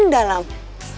ya udah yaudah